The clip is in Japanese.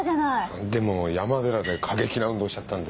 でも山寺で過激な運動しちゃったんで。